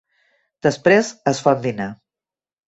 Després es fa un dinar.